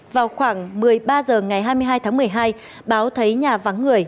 vào khoảng một mươi ba h ngày hai mươi hai tháng một mươi hai báo thấy nhà vắng người